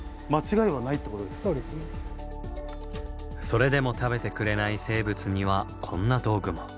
それでも食べてくれない生物にはこんな道具も。